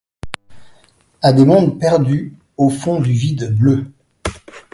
À des mondes perdus au fond du vide bleu